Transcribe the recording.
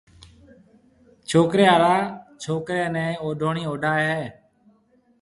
ڇوڪرَي آݪا ڇوڪرَي نيَ اوڊوڻِي اوڊائيَ ھيَََ